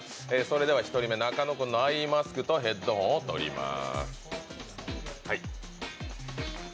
１人目、中野君のアイマスクとヘッドホンを取ります。